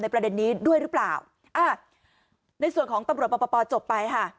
ประเด็นนี้ด้วยหรือเปล่าอ่าในส่วนของตำรวจปปจบไปค่ะ